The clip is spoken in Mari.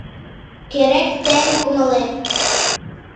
Керек, тыйын кумылет.